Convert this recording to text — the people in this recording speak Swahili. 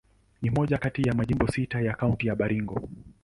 Ni moja kati ya majimbo sita ya Kaunti ya Baringo.